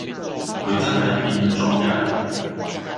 佢真係變咗㗎